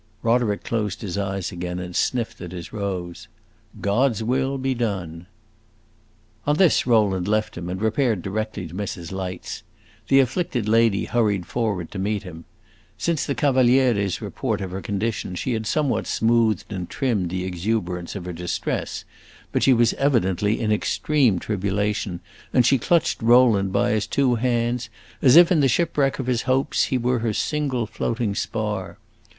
'" Roderick closed his eyes again, and sniffed at his rose. "God's will be done!" On this Rowland left him and repaired directly to Mrs. Light's. This afflicted lady hurried forward to meet him. Since the Cavaliere's report of her condition she had somewhat smoothed and trimmed the exuberance of her distress, but she was evidently in extreme tribulation, and she clutched Rowland by his two hands, as if, in the shipwreck of her hopes, he were her single floating spar.